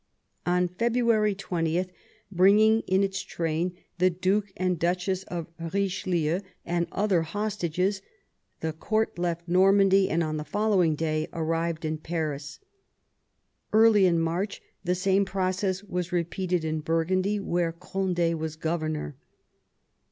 On February 20, bringing in its train the Duke and Duchess of Kichelieu and other hostages, the court left Normandy, and on the following day arrived in Paris. Early in March the same process was repeated in Burgundy, where Gond^ was governor.